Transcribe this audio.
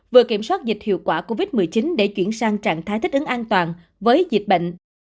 vừa kiểm soát dịch hiệu quả covid một mươi chín để chuyển sang trạng thái thích ứng an toàn với dịch bệnh